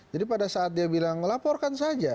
jadi pada saat dia bilang laporkan saja